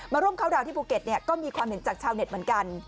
มาร่วมคาวต์ดาวน์ที่ภูเกษเนี่ยก็มีความเห็นจากชาวเน็ตเหมือนกัน